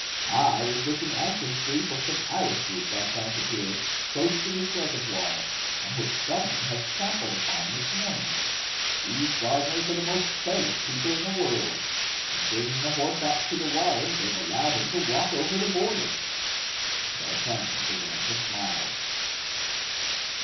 I was looking anxiously for some iris roots I planted here, close to this reservoir, and which some one has trampled upon this morning. These gardeners are the most careless people in the world; in bringing the horse out to the water they've allowed him to walk over the border." D'Artagnan began to smile.